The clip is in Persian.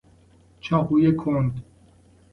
چاقوی کند